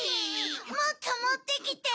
もっともってきて！